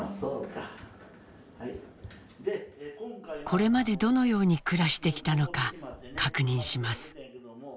これまでどのように暮らしてきたのか確認します。